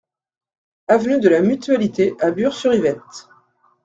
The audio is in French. Avenue de la Mutualité à Bures-sur-Yvette